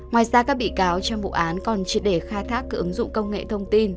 ngoài ra các bị cáo trong vụ án còn triệt để khai thác các ứng dụng công nghệ thông tin